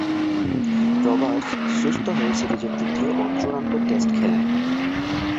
Roberts সুস্থ হয়ে সিরিজের তৃতীয় ও চূড়ান্ত টেস্টে খেলেন।